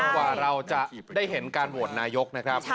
กว่าเราจะได้เห็นการโหวตนายกนะครับ